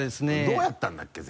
どうやったんだっけ？